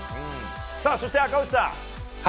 そして赤星さん。